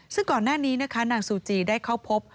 ซึ่งก่อนหน้านี้นะคะนางซูจีได้เข้าพบ